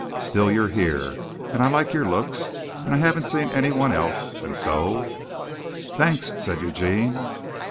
Still, you're here, and I like your looks and I haven't seen anyone else, and so " "Thanks," said Eugene.